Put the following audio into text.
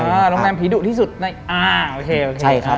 ผีดุโรงแรมผีดุที่สุดอ่าโอเค